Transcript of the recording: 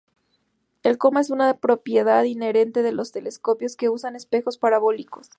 El coma es una propiedad inherente de los telescopios que usan espejos parabólicos.